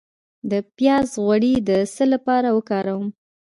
د پیاز غوړي د څه لپاره وکاروم؟